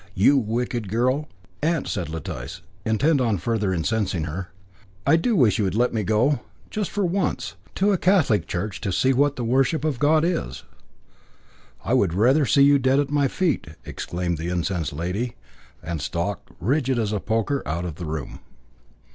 "You wicked girl." "Aunt," said Letice, intent on further incensing her, "I do wish you would let me go just for once to a Catholic church to see what the worship of God is." "I would rather see you dead at my feet!" exclaimed the incensed lady, and stalked, rigid as a poker, out of the room.